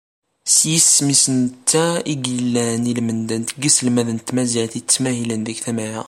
S yisem-is d netta i yellan i lmendad n yiselmaden n tmaziɣt yettmahilen deg tama-a.